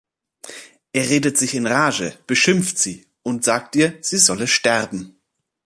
Er redet sich in Rage, beschimpft sie und sagt ihr, sie solle sterben.